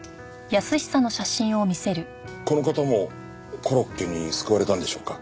この方もコロッケに救われたんでしょうか？